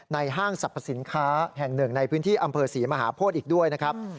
ห้างสรรพสินค้าแห่งหนึ่งในพื้นที่อำเภอศรีมหาโพธิอีกด้วยนะครับ